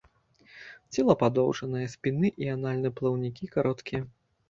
Цела падоўжанае, спінны і анальны плаўнікі кароткія.